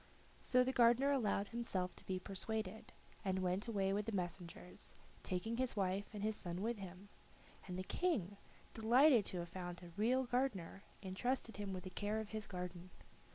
So the gardener allowed himself to be persuaded, and went away with the messengers, taking his wife and his son with him; and the King, delighted to have found a real gardener, entrusted him with the care of his garden.